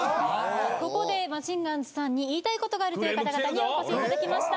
ここでマシンガンズさんに言いたいことがあるという方々にお越しいただきました。